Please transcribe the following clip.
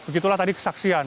begitulah tadi kesaksian